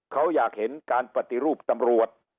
เขาอยากเห็นการปฏิรูปตำรวจ